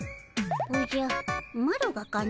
おじゃマロがかの？